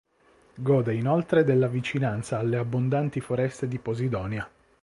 Gode inoltre della vicinanza alle abbondanti foreste di "Posidonia".